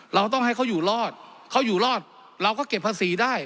เราต้องให้เขาอยู่รอดเขาอยู่รอดเราก็เก็บภาษีได้